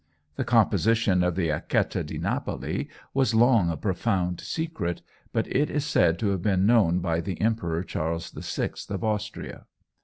The composition of the Acquetta di Napoli was long a profound secret, but it is said to have been known by the Emperor Charles VI of Austria.